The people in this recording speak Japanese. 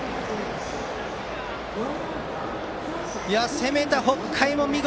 攻めた北海も見事。